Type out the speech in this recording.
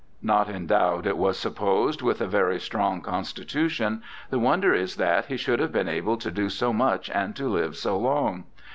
Not endowed, it was supposed, with a very strong constitution, the wonder is that he should have been able to do so much and to live so long.